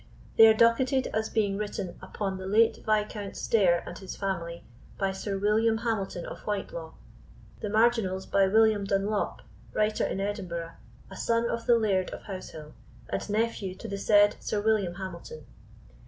They are docketed as being written "Upon the late Viscount Stair and his family, by Sir William Hamilton of Whitelaw. The marginals by William Dunlop, writer in Edinburgh, a son of the Laird of Househill, and nephew to the said Sir William Hamilton."